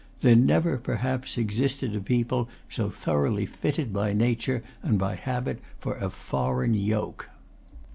There never, perhaps, existed a people so thoroughly fitted by nature and by habit for a foreign yoke.